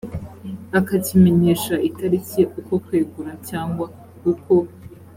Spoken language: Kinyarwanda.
akakimenyesha itariki uko kwegura cyangwa uko